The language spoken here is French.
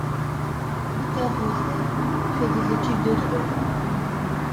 Peter Rosei fait des études de droit.